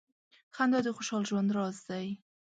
• خندا د خوشال ژوند راز دی.